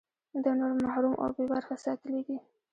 ده نور محروم او بې برخې ساتلي دي.